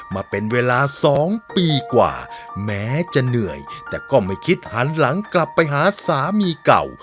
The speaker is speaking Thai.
มาเป็นเวลา๒ปีกว่าแม้จะเหนื่อยแต่ก็ไม่คิดหันหลังกลับไปหาสามีเก่า